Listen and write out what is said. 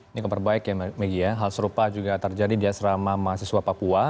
ini kabar baik ya megi ya hal serupa juga terjadi di asrama mahasiswa papua